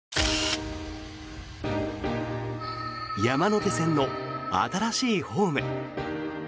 山手線の新しいホーム。